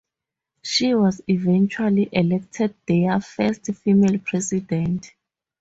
She was eventually elected their first female president.